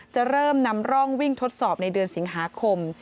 จะเริ่มนำร่องวิ่งทดสอบในเดือนสิงหาคม